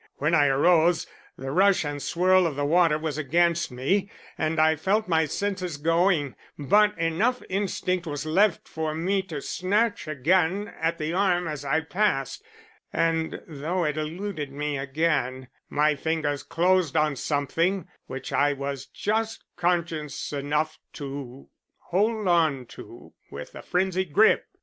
When I arose, the rush and swirl of the water was against me and I felt my senses going, but enough instinct was left for me to snatch again at the arm as I passed, and though it eluded me again, my fingers closed on something, which I was just conscious enough to hold on to with a frenzied grip.